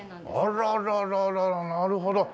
あららららなるほど。